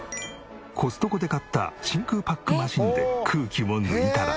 コストコで買った真空パックマシーンで空気を抜いたら。